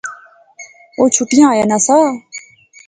او چھٹیا آیا ناں سا